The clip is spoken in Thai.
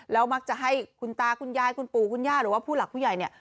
แล้วมักจะให้คุณตาคุณยายคุณปู่คุณย่าหรือว่าผู้หลักผู้ใหญ่เนี่ย